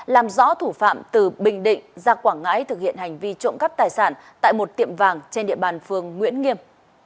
làm rõ thủ phạm từ bình định ra quảng ngãi thực hiện hành vi trộm cắp tài sản tại một tiệm vàng trên địa bàn phường nguyễn nghiêm